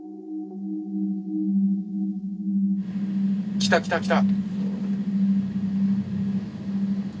来た来た来た！